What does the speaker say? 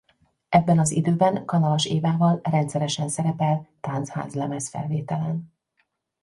Ebben az időben Kanalas Évával rendszeresen szerepel táncházlemez-felvételen.